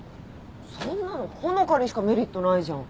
そんなの穂香にしかメリットないじゃん。